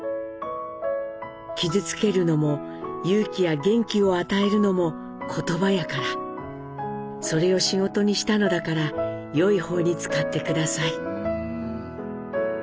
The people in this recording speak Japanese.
「傷つけるのも勇気や元気を与えるのも言葉やからそれを仕事にしたのだから良い方に使って下さい」。